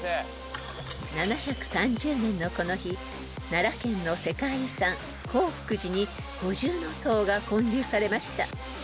［７３０年のこの日奈良県の世界遺産興福寺に五重塔が建立されました］